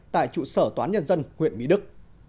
tại trụ sở toán nhân dân huyện mỹ đức